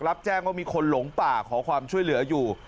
รับแจ้งว่ามีคนหลงป่าขอความช่วยเหลืออยู่